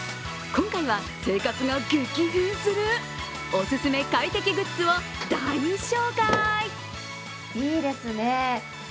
今回は、生活が激変するお勧め快適グッズを大紹介。